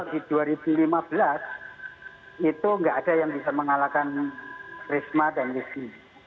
di dua ribu lima belas itu nggak ada yang bisa mengalahkan risma dan rizky